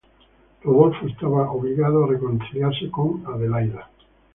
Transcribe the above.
Rodolfo estaba obligado a reconciliarse con Adelaida.